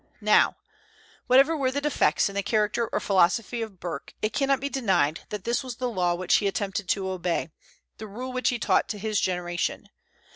Now, whatever were the defects in the character or philosophy of Burke, it cannot be denied that this was the law which he attempted to obey, the rule which he taught to his generation.